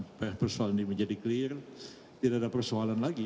supaya persoalan ini menjadi clear tidak ada persoalan lagi